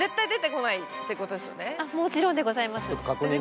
もちろんでございます。